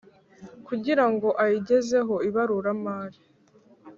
kugira ngo ayigezeho ibaruramari